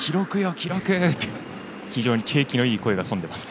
記録！って非常に景気のいい声が飛んでいます。